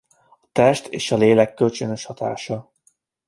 A test és a lélek kölcsönös hatása.